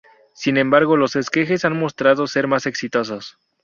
Sin embargo los esquejes han mostrado ser más exitosos.